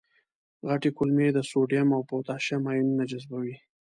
غټې کولمې د سودیم او پتاشیم آیونونه جذبوي.